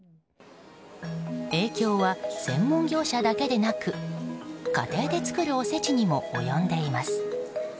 影響は、専門業者だけでなく家庭で作るおせちにも及んでいます。